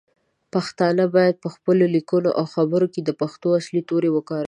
پښتانه باید پخپلو لیکنو او خبرو کې د پښتو اصلی تورې وکاروو.